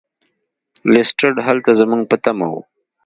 لیسټرډ هلته زموږ په تمه و.